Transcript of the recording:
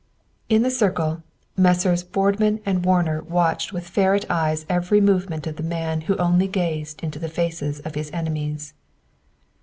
In the circle, Messrs. Boardman and Warner watched with ferret eyes every movement of the man who only gazed into the faces of enemies.